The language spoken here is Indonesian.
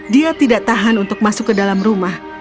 dia tidak tahan untuk masuk ke dalam rumah